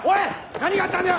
何があったんだよ！